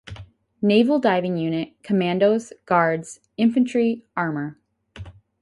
Naval Diving Unit, Commandos, Guards, Infantry, Armour.